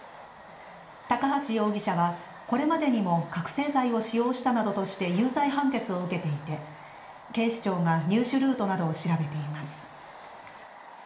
高橋容疑者はこれまでにも覚醒剤を使用したなどとして有罪判決を受けていて警視庁が入手ルートなどを調べています。